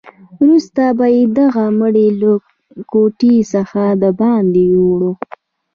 وروسته به یې دغه مړی له کوټې څخه دباندې یووړ.